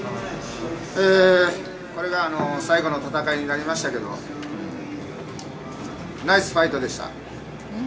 これが最後の戦いになりましたけど、ナイスファイトでした。